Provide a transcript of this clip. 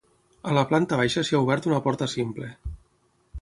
A la planta baixa s’hi ha obert una porta simple.